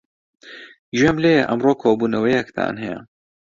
گوێم لێیە ئەمڕۆ کۆبوونەوەیەکتان هەیە.